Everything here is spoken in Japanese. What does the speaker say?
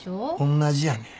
同じやねや。